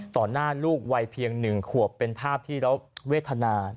ต่อหน้าลูกวัยเพียงหนึ่งขวบเป็นภาพที่แล้วเวทนา